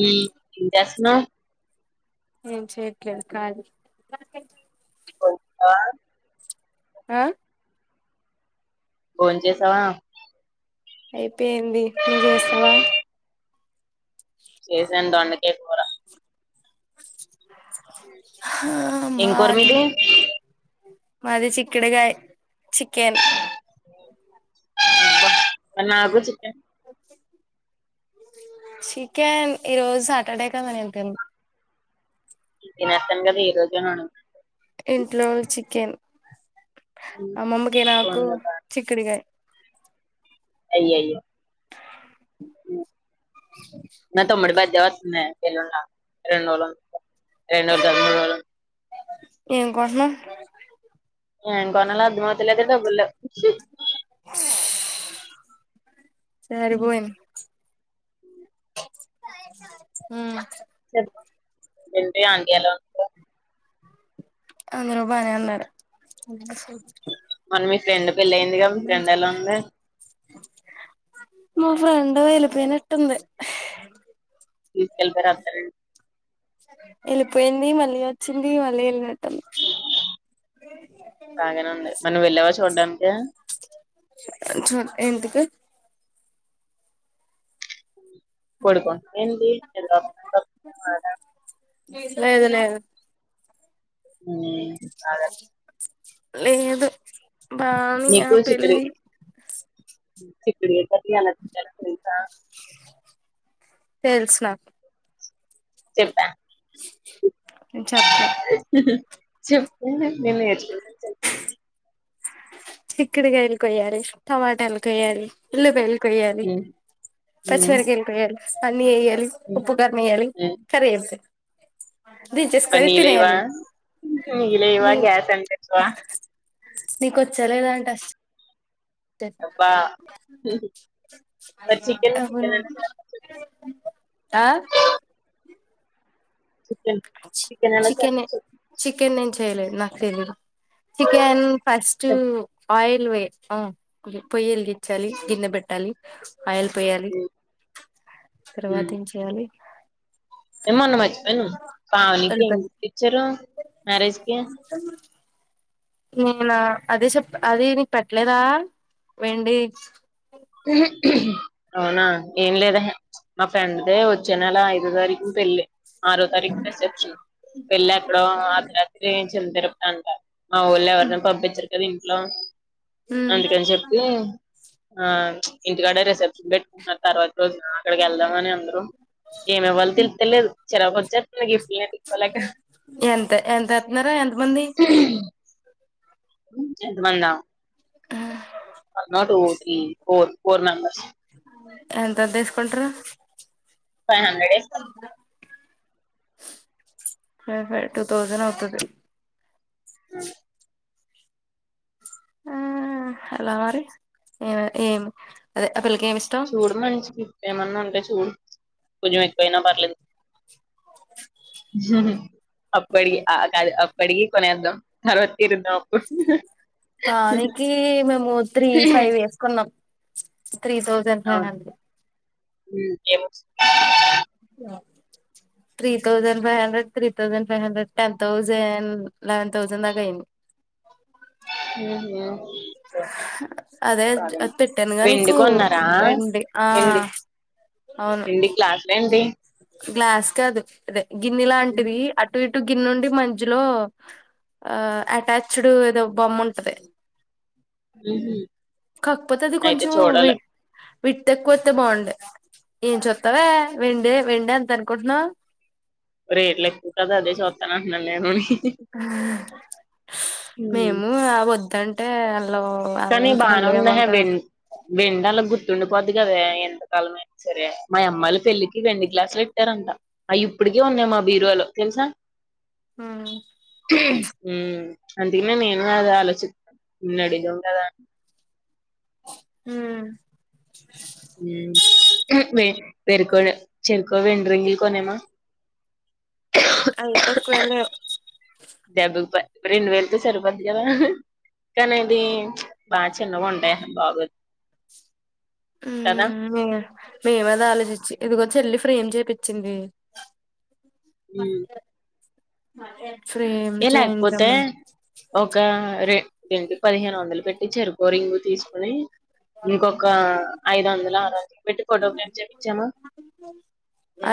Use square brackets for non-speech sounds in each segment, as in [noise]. ఎం చేస్తున్నావ్ ఎం చేయడంలేదు కాలి ఆ బోన్ చేసావా అయిపోయింది నువ్వు చేస్తావా చేసా ఎంటంటే ఎం కూర ఆ ఏం కూర మాది మీది మాది చిక్కడకాయ చికెన్ అబ అ నాకు చికెన్ చికెన్ ఈరోజు సాటర్డే కదా నేను తినను ఇ నస్తాను కదా ఈ రోజున ఇంట్లో చికెన్ నేను అమమ్మకి, నాకు చిక్కుడిగాయ్. అయ్యయ్యో! ఉమ్ నతో మరి బజ్జో, ఒస్తున్నాయి. రెండ్రోజులు ఉన్ రెండ్రోజులు కాద్ మూడ్రోజులు ఏం కొంట్నావ్? ఏం కొనాల అర్ధమవుతలేదే, డబ్బుల్లేవ్. సరిపోయిన్ ఆ, ఆఆ ఇంకేంటి? అంద్ర్ ఎలాఉన్నారు? అందరూ బానే ఉన్నారు. మొన్న మీ ఫ్రెండ్ పెళ్ళయిందిగా? మీ ఫ్రెండ్ ఎలా ఉంది? మా ఫ్రెండ్ ఎల్లిపోయినట్టుంది. తీస్కెళ్తరా అత్తారిన్ ఎళ్ళిపోయింది. మళ్ళీ వచ్చింది, మళ్ళీ ఎళ్ళినట్ బాగానే ఉంది మరి నువ్వు వెళ్ళావా చూడ్డానికి చ్చట్ ఏంటిది? పొడుకుంట్నవేంది? లేదు లేదు. ఉమ్ అదే లేదు బా ఇంగ నీకు పెళ్లి సిప్పుడు ఎట్టా తీయాలో, ఎలా తెల్సా? తెలుసు నాకు. చెప్పా? నేన్ చెప్పను. చెప్పూ, నేన్ ఎట్లనో చెప్ చిక్కుడుగాయలు కొయ్యాలి, టమాటాలు కొయ్యాలి, ఉల్లిపాయల్ కొయ్యాలి, పచ్చి హ్మ్ మిరపకాయలు కొయ్యాలి. పని చెయ్యక్ లి హ్మ్ ఉప్పు, కారమేయాలి హ్మ్ కర్రీ అంతే. మరి నీళ్ళేయ్యవా? నీళ్ళేయ్యవా, గ్యాస్ అంటించ్వా? నీకొచ్చలేద? ఆంటసల్ అబ్బా మరి చికెన్ చికెన్ ఎలా చేయాలో ఆ? చికెన్, చికెనెలా చేత్తావ్ చెప్పు? రేలే నాకు తెలీదు చికెన్ ఫస్టు చెప్ ఆయి ఇవే ఆ [unintelligible] పొయ్యెలిగిచ్చాలి గిన్నె పెట్టాలి ఆయిల్ పోయ్యాలి హ్మ్ తర్వాత ఏం చెయ్యాలి ఏమన్న మర్చిపోయినా పావని కి ఏం ఉల్లిపాయలు గిఫ్ట్ ఇచ్చారు మ్యారేజ్ కి [unintelligible] లా అదే చెప్పా అది నీకు పెట్టలేదా వెండి ఊహు అవునా ఏం లేదేహే మా ఫ్రెండ్ ది వచ్చే నెల ఐ దో తారీకున పెళ్ళి ఆరో తారీకు రిసెప్షన్ పెళ్ళి ఎక్కడో అర్ధరాత్రి చిన్న తిరు అంట మావోళ్ళు ఎవరిని పంపిచ్చరు [unintelligible] లో అందుకని చెప్పి ఆ ఇంటికాడ రిసెప్షన్ పెట్టుకుంటున్నారు తర్వాత రోజున అక్కడికి వెళ్దాం అని అందరూ ఏమివ్వాలో తెల్ తెల్లేదు చిరాకు వచ్చేత్తంది గిఫ్ ఎంత ఎంత ఏత్తనారు ఎంత మంది ఎంతమందా ఈ ఫోర్ ఫోర్ మెంబర్స్ ఎంతది తీసుకుంట్రు ఫైవ్ హండ్రెడ్ ఏస్తా ఫైవ్ ఫైవ్ టూ తౌజన్ అవుతది ఆ అలా మరి ఏ ఏం అదే ఆ పిల్లకి ఏమి ఇష్టం చూడు మంచికి ఏమన్నా ఉంటే చూడు కొంచెం ఎక్కువయినా పలేదు అ అప్పడిగి ఆ కాదు అప్పడికి కొనేద్దాం తర్వా పానీకి మేము త్రీ ఫైవ్ వేసుకున్నాం త్రీ థౌజండ్ ఫైవ్ హండ్రెడ్ ఉమ్మ్ ఏమొస్ three thousand five hundred three thousand five hundred ten thousand eleven thousand దాకా అయ్యింది ఊహూ అదే అది పెట్టానుగా నీకు వెండికొన్నారా వెండి ఆ అవును వెండి గ్లాసులేంటి గ్లాస్ కాదు ఇదే గిన్నె లాంటిది అట్ టు ఇటు గిన్నుండి మధ్యలో ఆ అటాచ్డ్ ఏదో బొమ్ముంటది అయితే చూడాలి విట్టెక్కువొత్తే బావుండే ఏం చూత్తావే వెండి వెండి ఎంత అనుకుంటున్నావ్ రేట్లెక్కువ కదా అదే చూత్తానంట్నా లేను ఉమ్ మేమూ ఆ వొద్ త్తంటే అల్ కానీ బానే ఉందహే వెన్ వెండాలగు టుండిపోద్ది కదే ఎంతకాలమైనా సరే మా అమ్మ అల్ల పెళ్ళికి వెండి గ్లాసులు యెట్టారంట అయిప్పటికీ ఉన్నాయి మా బీరువాలో తెలుసా? హా మ్మ్ అందుకనే నేను అది ఆలోచిత్తా నిన్నడిగాం కదా హ్మ్ మ్మ్ [unintelligible] పేరుకో చెరికో వెండి రింగులు కొనేమా. అదైతే కొనలేం డెబ్బుల్పాయ్ రెండు వేలతో సరిపోద్ది కదా కానీ అది ప్చ్ బా చిన్నగుంటయె బాగోదు. కదా మ్మ్ వెయ్యి రూపాయలు మేమది ఆలోచిచ్చి ఇదిగో చెల్లి ఫ్రె ఏం చేపిచ్చింది మ్మ్ మాకేం ఏ లేక్పోతే ఒకా రె రెంటు పదిహేను వందలు పె ట్టి చెరుకోరింగు తీసుకొని ఇంకొక ఐదు వందల ఆరు [unintelligible] పెట్టి ఫోటోగ్రాఫ్ చెపిచ్చామా.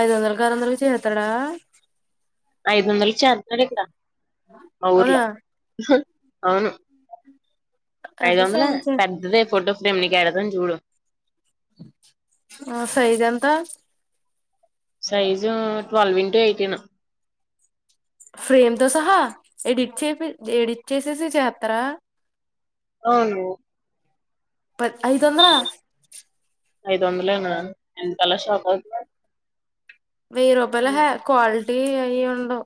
ఐదు వందలకి ఆరు [unintelligible] ఐదు వందలుకు చేత్నారు ఇక్కడ మా అవునా ఊర్లా అవును అయితే ఐదొందలే చేయించండి పెద్దది ఫోటో ఫ్రేం నీకేడ రన్ చూడు ఆ సైజ్ ఎంత size twelve into eighteen frame తో సహా ఎడిట్ చేపి ఎడిట్ చేసేసి చేత్తరా అవును ప ఐదొందలా ఐదొందలేనా ఎనకాల షాపోల్ వెయ్యి రూపాయల ఎహే క్వాలిటీ అయి ఉండవు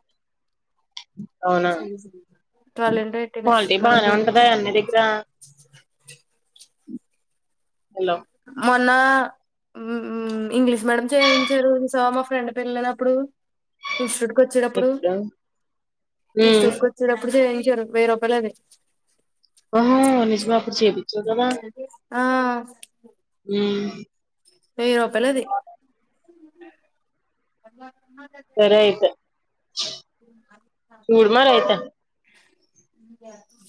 అవునా ట్వల్ ఇంటు ఎయిటీను క్వాలిటీ మనం బానే ఉంటదా జేపిచిన అన్ని దగ్గర హలో మొన్న ఆ ఇంగ్లీష్ మీడియం చేయించారు సో మా ఫ్రెండ్ పళ్ళ కదప్పుడు ఇన్స్టిట్యూట్ కు వచ్చేటప్పుడు ఎప్పుడు ఉమ్ ఇన్స్టిట్యూట్ కు వచ్చేటప్పుడు చేయ్ జరు వేరొకలదే ఆ నిజమే అప్పుడు చేపి అలాగే ఆ ఊ వెయ్యి రూపాలది అమ్మ గ సరే గేటిది అయితే ఊ చూడు నడుతాడు మరి అయితే [unintelligible] ఊ జాతుం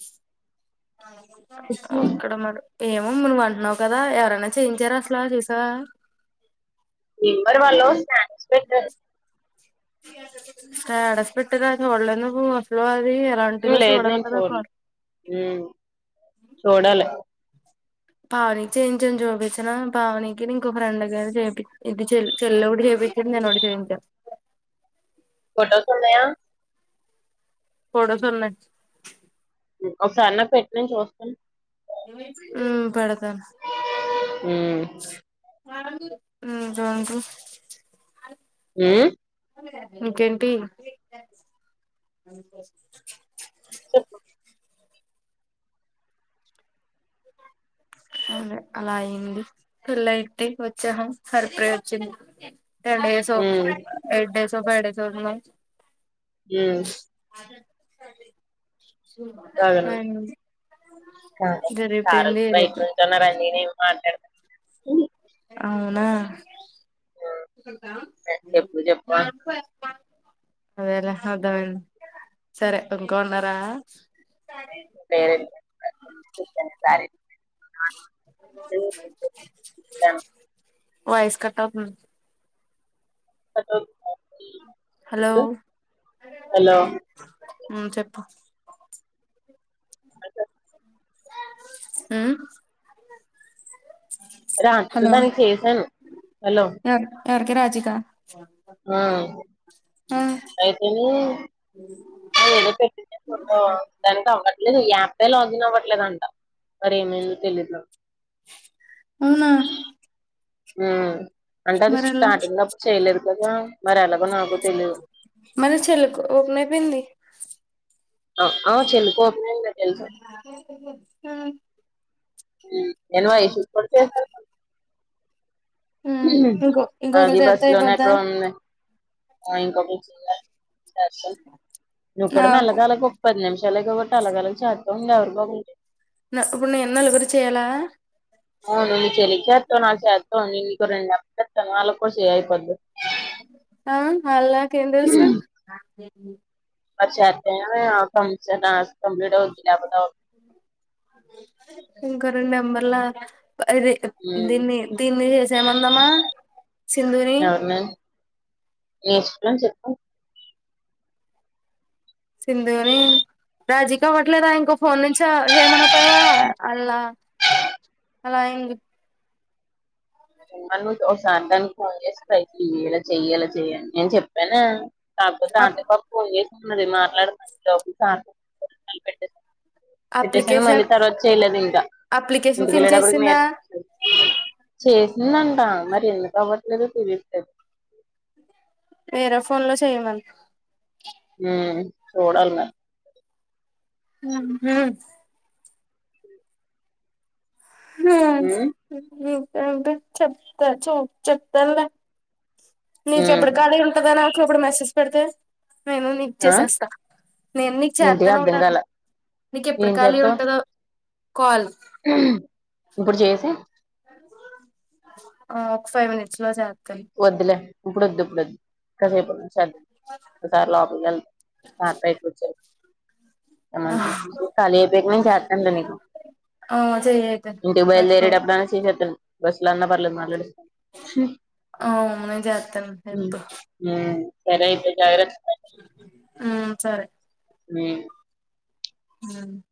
ఆ ఒక్కడే మరి ఏమో నువ్వు అంటున్నావు కదా ఎవరైనా చేయించారా అసలా చూసావా నింబడి వాళ్ళు స్న స్పెటర్ స్టేటస్ పెట్టగా చులేదు నువు అసలు అది ఎలాంటిదో లేదు చూడాలి నేను కదా చూడలే ఒకటి ఊ చూడాలి పావనీకి చేయించం చోపిచన పావనీకిని ఇంకో ఫ్రెండగాని చేయిపి ఇది చె చెల్డు చేయిపించ ననోటి చేయించ ఫోటోకున్నాయా ఫొటోస్ వున్నాయ్ ఒకసారన్న పెట్నీ చూస్తాను ఊ పెడ్ ఊ ఊ రండ్రి ఊ ఇంకెన్టి చెప్పు అవునే అలా అయింది పెళ్ళయితే వచ్చాం సరిప వచ్చింది ten days um eight days sofa ఏడే చుసునవ్ ఊ అదెంత పిసినారిది బాగానే ఉంది. అవున కానీ గరిపోయింది ఏలకు ఇయ్ అవునా చెప్పు [inaudible] చెప్పు అదెలా అర్థమైంది సరే ఇంకా ఉనార [unintelligible] [inaudible] వాయిస్ కట్ అవుతుంది కట్ హలో అవుతుంది హలో హుమ్ చెప్పు హూ రాత్రి దానికి చేసాను హలో ఎవర్ ఎవరికి రాజికా ఆ అయితే ఎదో పెట్టింది కదా దానికి లేదు ఈ యాప్లే లాగిన్ అవ్వట్లేదంట మరి ఏమైందో తెలీయదు అవునా ఆ అంటే అది మరెలా స్టార్టింగ్ అపుడు చేయలే ప్రతిదానికి మరెలా మన చెలుకు ఓపనే ఐపోయింది అవు చెందుపో హూ [unintelligible] కొడితే ఏం కాదు ఉమ్ ఇంకో అది ఇంకొకరు బస్ చేత్తే లోనే అయిపోద్దా ఎక్కడో ఉంది ఇంకొక నువ్వు కూడా నాకు మెల్లగా ఎలాగో పది నిమిషాలు లేగబట్టి అలగల చేస్తాంది ఎవరు బాబుడి ఇప్పుడు ను ఎన్నళగురి చేయాల అవును మీ చెల్లీ కి చేతవ్ నా చేతవ [unintelligible] వద్దూ అ [unintelligible] ఏం తెలుసు [inaudible] [unintelligible] [unintelligible] ఇంకా రెండు నెంబర్ల ఇది దీన్ని దీన్ని చేసేమందమా సింధుని నేను చెన్నాను చెప్పు సింధు నీ రాజీక్ అవ్వట్లేదా ఇంకో ఫోన్ నుంచి చేయమనక పోయావా అలా అలా ఇ నువ్వు ఒకసార్ దానికి ఫోన్ చేస్తా ఇయ్యలా చెయ్యేలా చెయ్యి నేను చెప్పానా కాకపోతే అప్ అంత పప్పు మది మాట్లాడుతుార్ [unintelligible] పెట్టేసాను మళ్ళీ అప్లికేషన్ తర్వాత చేయలేదు ఇంకా అప్లికేషన్ ఫిల్ ఇంటికెళ్లేటప్పుడు నే చేసిందా చేసిందంట మరి ఎందుకు అవ్వట్లేదు తెలియట్లేదు వేరే ఫోన్ లో చేయ్యమను మ్మ్ చూడాలి మరి మ్మ్ మ్మ్ ఉమ్ మ్మ్ ఏంటి చెప్తా చ చెప్తాన్లే మీకు ఉమ్ ఎప్పుడు కాలి ఉంటందా నాకు అప్పుడు మెసేజ్ చెయ్ పడితే నేను నీకు ఆ చేసేస్తా నేను నీకు ఏంటి చెత్తనే అర్థం ఉన్నాను కాల నీకు ఎప్పుడు ఏం ఖాళీ చేద్దాం ఉంటదో కాల్ ఇప్పుడు చేసి ఒక ఫైవ్ మినిట్స్ లో చేత్ వద్దులే ఇప్పుడోద్దు ఇప్పుడు వద్ కాసేపు ఉన్న సార్ లోపల్ [unintelligible] [unintelligible] ఖాళీ అయిపో నేను చెత్తను ను లే నీకు ఆ చెయ్యి అయితే ఇంటికి మర్చిపోకు బయలుదేరేటప్పుడు అయిన చేసేత్తాను బస్ లో ఉన్న పర్లేదు మాట్లాడేస్తాను ఆ మ్మ్ నేను చెత్తను ఉమ్ ఇప్పుడు ఉమ్ సరే అయితే జాగ్రత్త ఆ సరే మ్మ్ మ్మ్